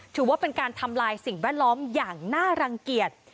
ถือว่าเป็นการทำลายสิ่งแวดล้อมอย่างน่ารังเกียจ